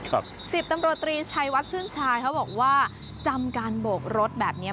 สิบตำรวจตรีชัยวัดชื่นชายเขาบอกว่าจำการโบกรถแบบเนี้ย